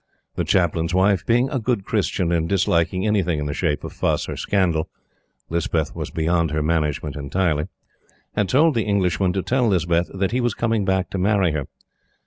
The Chaplain's wife, being a good Christian and disliking anything in the shape of fuss or scandal Lispeth was beyond her management entirely had told the Englishman to tell Lispeth that he was coming back to marry her.